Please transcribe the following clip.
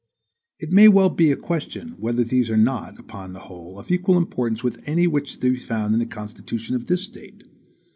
It may well be a question, whether these are not, upon the whole, of equal importance with any which are to be found in the constitution of this State.